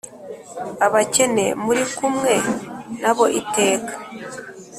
Abakene muri kumwe na bo iteka